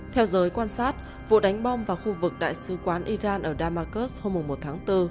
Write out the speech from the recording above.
theo giới quan sát vụ đánh bom vào khu vực đại sứ quán iran ở damascus hôm một tháng bốn